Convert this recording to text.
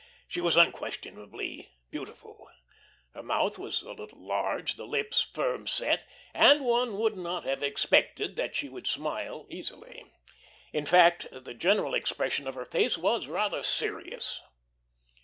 She was unquestionably beautiful. Her mouth was a little large, the lips firm set, and one would not have expected that she would smile easily; in fact, the general expression of her face was rather serious.